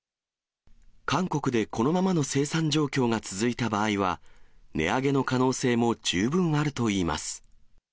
韓国でこのままの生産状況が続いた場合は、値上げの可能性も十分あるといいます。